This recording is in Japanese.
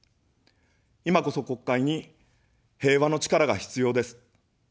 いまこそ国会に平和の力が必要です。